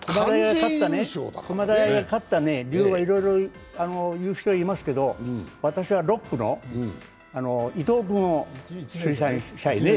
駒大が勝った理由はいろいろ言う人がいますけど、私は６区の伊藤君を推薦したいね。